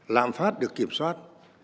lạm phát được kiểm soát